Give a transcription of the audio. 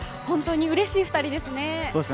本当にうれしい２人ですね。